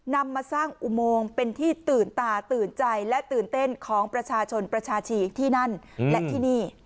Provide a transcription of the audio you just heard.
นำมาสร้างอุโมงเป็นที่ตื่นตาตื่นใจและตื่นเต้นของประชาชนประชาชีที่นั่นและที่นี่